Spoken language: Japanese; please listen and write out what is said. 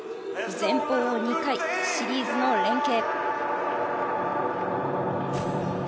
前方２回、シリーズの連係。